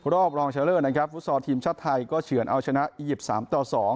รอบรองเฉลินฟุตสอร์ทีมชาติไทยก็เฉินเอาชนะอียิปต์๓ต่อ๒